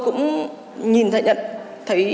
cũng nhìn thấy